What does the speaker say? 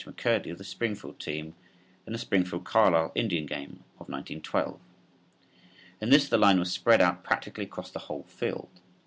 H. McCurdy of the Springfield team in the Springfield Carlisle Indian game of 1912 (Fig. 3). In this the line was spread out practically across the whole field.